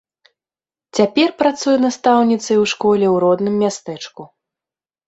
Цяпер працуе настаўніцай у школе ў родным мястэчку.